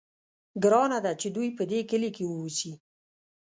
ګرانه ده چې دوی په دې کلي کې واوسي.